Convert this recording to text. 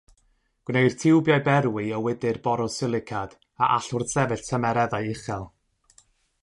Gwneir tiwbiau berwi o wydr borosilicad a all wrthsefyll tymereddau uchel.